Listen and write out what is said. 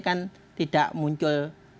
kan tidak muncul